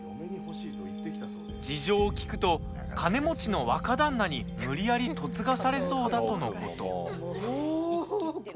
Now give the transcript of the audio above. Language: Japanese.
事情を聞くと金持ちの若旦那に無理やり嫁がされそうだとのこと。